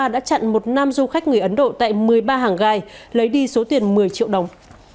đã chặn một nam du khách người ấn độ tại một mươi ba hàng gai lấy đi số tiền một mươi triệu đồng